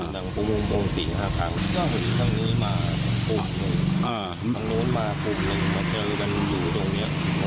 ทางนี้มากลุ่มทางโน้นมากลุ่มมาเจอกันอยู่ตรงเนี้ย